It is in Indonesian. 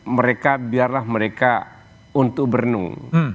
mereka biarlah mereka untuk berenung